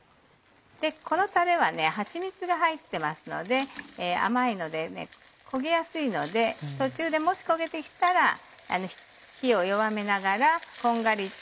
このたれははちみつが入ってますので甘いので焦げやすいので途中でもし焦げて来たら火を弱めながらこんがりと。